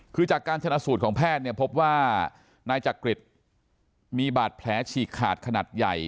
คือจากการชนะสูตรของแพทย์เนี่ยพบว่านายจักริตมีบาดแผลฉีกขาดขนาดใหญ่